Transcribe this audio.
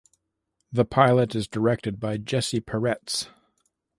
The pilot is directed by Jesse Peretz.